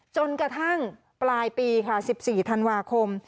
จนกระทั่งปลายปีค่ะ๑๔ธันวาคม